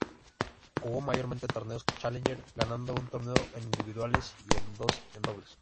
Jugó mayormente Torneos Challenger, ganando un torneo en individuales y dos en dobles.